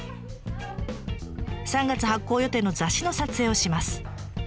３月発行予定の雑誌の撮影をします。